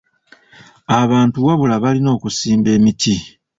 Abantu wabula balina okusimba emiti.